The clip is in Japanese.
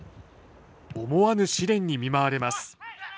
思わぬ試練に見舞われます。